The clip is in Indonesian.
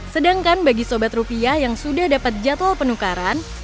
sedangkan bagi sobat rupiah yang sudah dapat jadwal penukaran